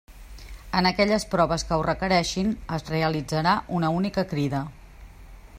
En aquelles proves que ho requereixin, es realitzarà una única crida.